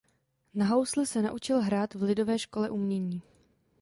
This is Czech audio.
Na housle se naučil hrát v Lidové škole umění.